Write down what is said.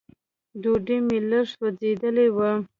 ډوډۍ مې لږ سوځېدلې وه.